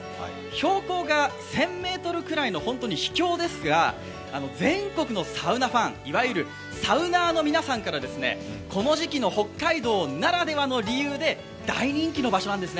標高が１０００ｍぐらいの本当に秘境ですが、全国のサウナファンいわゆるサウナーの皆様からこの時期の北海道ならではの理由で大人気の場所なんです。